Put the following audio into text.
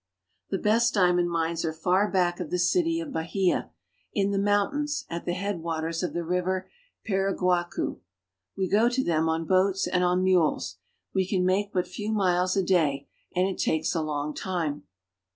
The best diamond mines are far back of the city of Bahia, in the mountains at the head waters of the river Paraguacu. We go to them on boats and on mules; we can make but few miles a day, and it takes a long time.